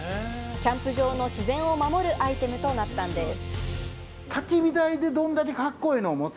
キャンプ場の自然を守るアイテムとなったんです。